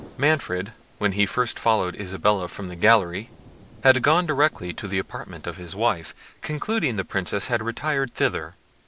Manfred, when he first followed Isabella from the gallery, had gone directly to the apartment of his wife, concluding the Princess had retired thither.